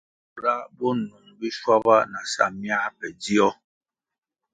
Bura bo nung biswaba na sa myā pe dzio.